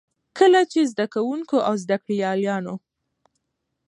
کله چې زده کـوونـکو او زده کړيـالانـو